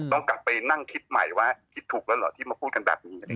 ต้องกลับไปนั่งคิดใหม่ว่าคิดถูกแล้วเหรอที่มาพูดกันแบบนี้